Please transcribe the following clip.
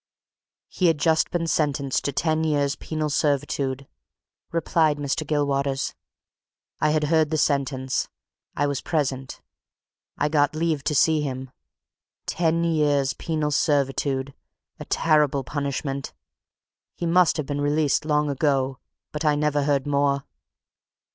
"He had just been sentenced to ten years' penal servitude," replied Mr. Gilwaters. "I had heard the sentence I was present. I got leave to see him. Ten years' penal servitude! a terrible punishment. He must have been released long ago but I never heard more."